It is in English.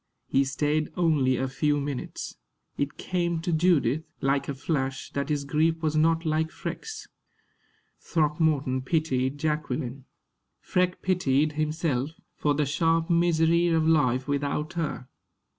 He stayed only a few minutes. It came to Judith, like a flash, that his grief was not like Freke's. Throckmorton pitied Jacqueline. Freke pitied himself, for the sharp misery of life without her.